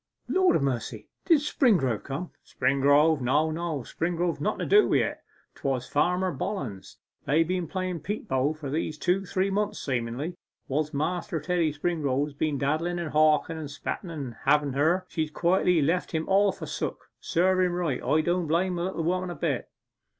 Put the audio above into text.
what, Lord a mercy, did Springrove come?' 'Springrove, no no Springrove's nothen to do wi' it 'twas Farmer Bollens. They've been playing bo peep for these two or three months seemingly. Whilst Master Teddy Springrove has been daddlen, and hawken, and spetten about having her, she's quietly left him all forsook. Serve him right. I don't blame the little woman a bit.